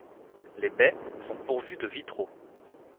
Les baies sont pourvues de vitraux.